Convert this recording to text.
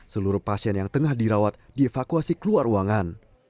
seluruh pasien yang tengah dirawat dievakuasi keluar ruangan